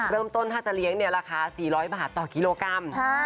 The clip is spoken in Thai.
เริ่มต้นถ้าจะเลี้ยงราคา๔๐๐บาทต่อกิโลกรัม